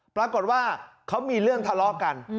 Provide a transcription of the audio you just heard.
ปรากฏว่าเขามีเรื่องทะเลาะกัน